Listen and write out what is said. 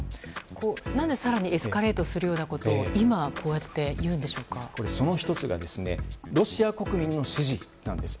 何で更にエスカレートするようなことをその１つがロシア国民の支持なんです。